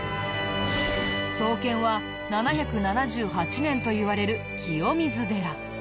創建は７７８年といわれる清水寺。